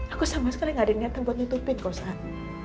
aku sama sekali gak ada niatnya buat nutupin kau sal